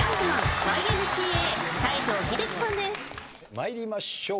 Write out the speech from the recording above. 参りましょう。